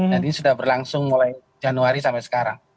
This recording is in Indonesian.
dan ini sudah berlangsung mulai januari sampai sekarang